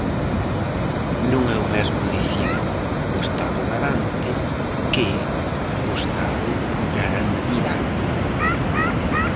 Non é o mesmo dicir "o Estado garante" que "o Estado garantirá".